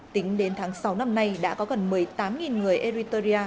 tính đến tháng sáu năm nay đã có gần một mươi tám người eritrea